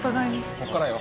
ここからよ